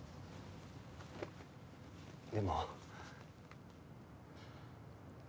でも。